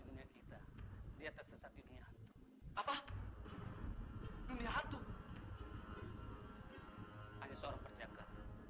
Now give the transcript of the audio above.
sungguh saya masih berjaga